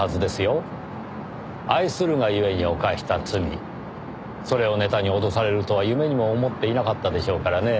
愛するがゆえに犯した罪それをネタに脅されるとは夢にも思っていなかったでしょうからね。